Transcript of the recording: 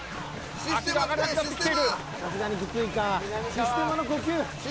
システマの呼吸！